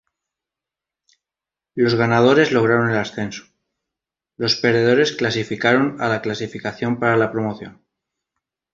Los ganadores lograron el ascenso, los perdedores clasificaron a la clasificación para la promoción.